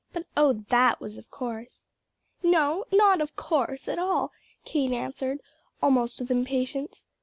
But, oh that was of course." "No, not of course at all," Kate answered, almost with impatience.